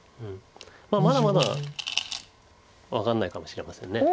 まだまだ分かんないかもしれません。